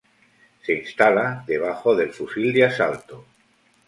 Se instala debajo del fusil de asalto.